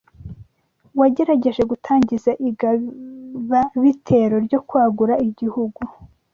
wagerageje gutangiza igaba-bitero ryo kwagura igihugu